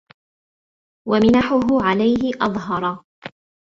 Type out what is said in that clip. وَمِنَحُهُ عَلَيْهِ أَظْهَرَ